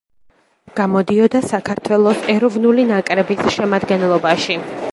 გამოდიოდა საქართველოს ეროვნული ნაკრების შემადგენლობაში.